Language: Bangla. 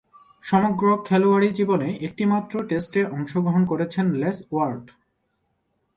সমগ্র খেলোয়াড়ী জীবনে একটিমাত্র টেস্টে অংশগ্রহণ করেছেন লেস ওয়াট।